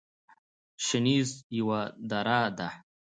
شنیز یوه دره ده